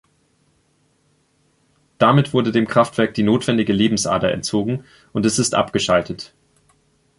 Damit wurde dem Kraftwerk die notwendige Lebensader entzogen und es ist abgeschaltet.